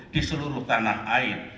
di seluruh tanah air